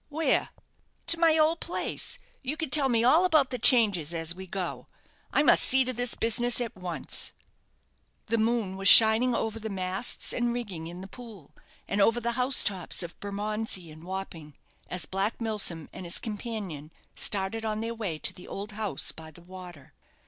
"Where?" "To my old place. You can tell me all about the changes at we go. I must see to this business at once." The moon was shining over the masts and rigging in the Pool, and over the house tops of Bermondsey and Wapping, as Black Milsom and his companion started on their way to the old house by the water.